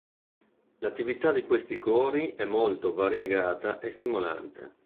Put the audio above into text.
L’attività di questi Cori è molto variegata e stimolante.